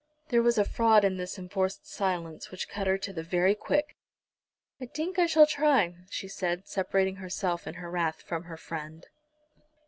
There was a fraud in this enforced silence which cut her to the very quick. "I tink I shall try," she said, separating herself in her wrath from her friend.